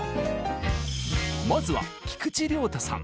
まずは菊池亮太さん。